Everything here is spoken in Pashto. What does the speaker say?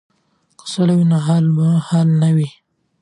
که سوله وي نو هاله نه وي.